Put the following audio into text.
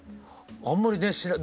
あんまりねしない。